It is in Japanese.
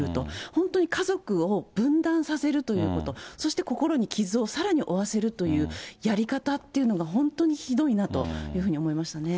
本当に家族を分断させるということ、そして心に傷をさらに負わせるというやり方っていうのが、本当にひどいなというふうに思いましたね。